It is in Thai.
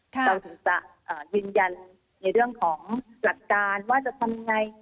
เราถึงจะยืนยันในเรื่องของหลักการว่าจะทำยังไง